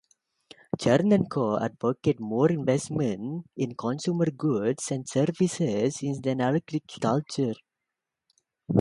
Chernenko advocated more investment in consumer goods and services and in agriculture.